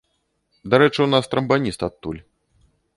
Дарэчы, у нас трамбаніст адтуль.